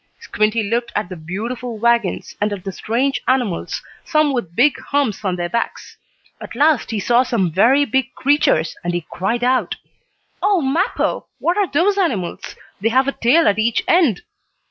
Squinty looked at the beautiful wagons, and at the strange animals, some with big humps on their backs. At last he saw some very big creatures, and he cried out: "Oh, Mappo! What are those animals? They have a tail at each end!"